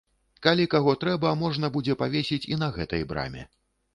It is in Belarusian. Калі каго трэба, можна будзе павесіць і на гэтай браме.